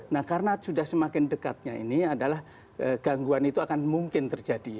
nah karena sudah semakin dekatnya ini adalah gangguan itu akan mungkin terjadi